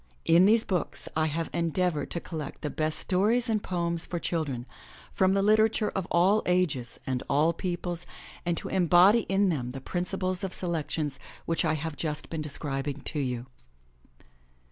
In these books I have endeavored to collect the best stories and poems for children from the literature of all ages and all peoples and to embody in them the principles of selections which I have just been describing to you.